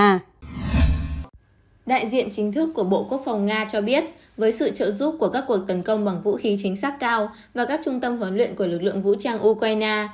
đại diện chính thức của bộ quốc phòng nga cho biết với sự trợ giúp của các cuộc tấn công bằng vũ khí chính xác cao và các trung tâm huấn luyện của lực lượng vũ trang ukraine